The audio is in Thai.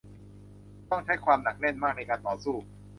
ต้องใช้ความหนักแน่นมากในการต่อสู้